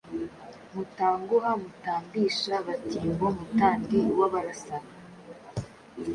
Mutanguha mutambisha-batimbo mutandi w’abarasana,